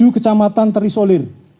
tujuh kecamatan terisolir